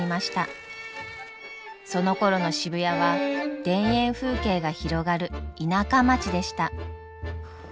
そのころの渋谷は田園風景が広がる田舎町でした。